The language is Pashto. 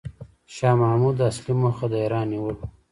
شاه محمود اصلي موخه د ایران نیول و.